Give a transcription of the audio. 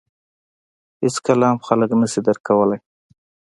• هېڅکله هم خلک نهشي درک کولای.